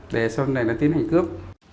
để sau này nó tiến hành cướp